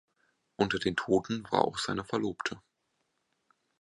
Unter den Toten war auch seine Verlobte.